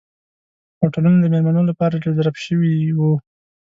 هوټلونه د میلمنو لپاره ریزرف شوي وو.